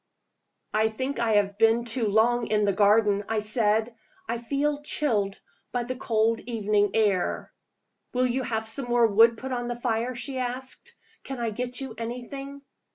"I think I have been too long in the garden," I said. "I feel chilled by the cold evening air." "Will you have some more wood put on the fire?" she asked. "Can I get you anything?"